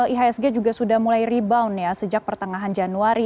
ihsg juga sudah mulai rebound ya sejak pertengahan januari